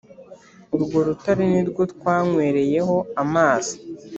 urwo rutare nirwo twanywereyeho amazi